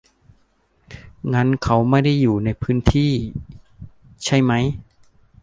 งั้นเขาไม่ได้อยู่ในพื้นที่ใช่ไหม